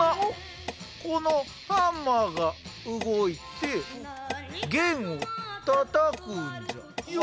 このハンマーが動いて弦をたたくんじゃよ。